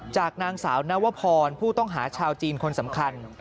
จากนางสาวนวพรผู้ต้องหาชาวจีนคนสำคัญ